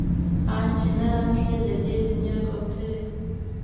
ان چې نه راتلی د دې دنيا کوترې